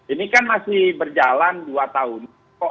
ini kan masih berjalan dua tahun